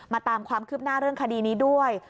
ตามความคืบหน้าเรื่องคดีนี้ด้วย